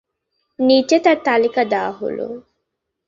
নিচে তার তালিকা দেওয়া হলঃ